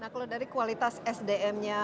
nah kalau dari kualitas sdm nya